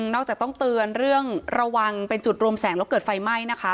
นอกจากต้องเตือนเรื่องระวังเป็นจุดรวมแสงแล้วเกิดไฟไหม้นะคะ